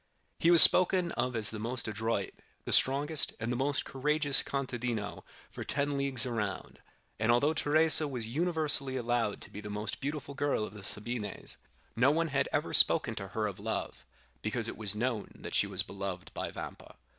He was spoken of as the most adroit, the strongest, and the most courageous contadino for ten leagues around; and although Teresa was universally allowed to be the most beautiful girl of the Sabines, no one had ever spoken to her of love, because it was known that she was beloved by Vampa.